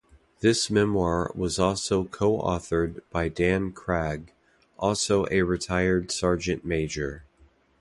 This memoir was co-authored by Dan Cragg, also a retired Sergeant Major.